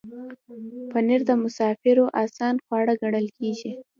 پنېر د مسافرو آسان خواړه ګڼل کېږي.